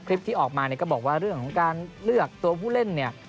ที่ออกมาเนี่ยก็บอกว่าเรื่องของการเลือกตัวผู้เล่นเนี่ย